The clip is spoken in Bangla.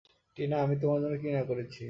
টিনা, আমি তোমার জন্য কি না করেছি।